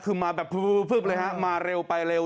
คือมาแบบพลึบเลยฮะมาเร็วไปเร็ว